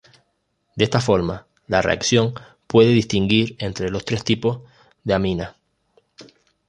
De esta forma, la reacción puede distinguir entre los tres tipos de amina.